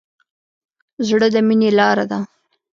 زړه د مینې لاره ده.